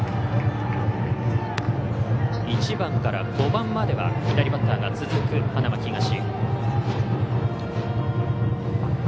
１番から５番までは左バッターが続く花巻東。